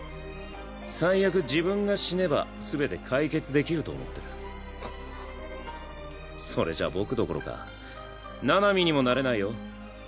最悪自分が死ね全て解決できると思ってるあっそれじゃ僕どころか七海にもなれないよ。